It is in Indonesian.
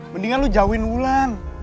mendingan lo jauhin wulan